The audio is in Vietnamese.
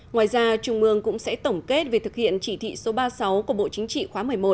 ngoài ra trung ương cũng sẽ tổng kết việc thực hiện chỉ thị số ba mươi sáu của bộ chính trị khóa một mươi một